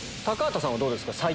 高畑さんはどうですか？